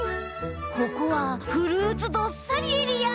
ここはフルーツどっさりエリア。